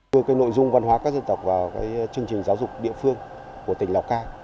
đưa nội dung văn hóa các dân tộc vào chương trình giáo dục địa phương của tỉnh lào cai